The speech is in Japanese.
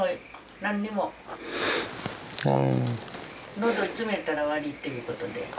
喉へ詰めたら悪いっていうことで。